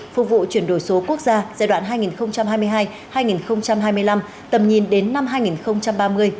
phục vụ chuyển đổi số quốc gia giai đoạn hai nghìn hai mươi hai hai nghìn hai mươi năm tầm nhìn đến năm hai nghìn ba mươi